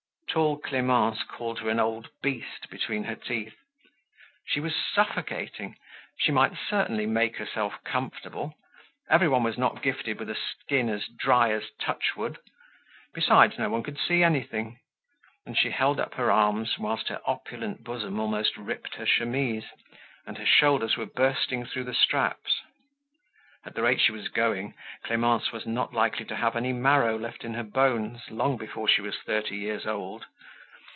Tall Clemence called her an old beast between her teeth. She was suffocating; she might certainly make herself comfortable; everyone was not gifted with a skin as dry as touchwood. Besides no one could see anything; and she held up her arms, whilst her opulent bosom almost ripped her chemise, and her shoulders were bursting through the straps. At the rate she was going, Clemence was not likely to have any marrow left in her bones long before she was thirty years old.